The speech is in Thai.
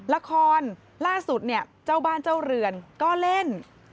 ล่าสุดเนี่ยเจ้าบ้านเจ้าเรือนก็เล่น